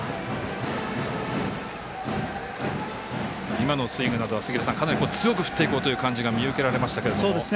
今のスイングなどは杉浦さんかなり強く振っていこうという感じが見受けられましたけども。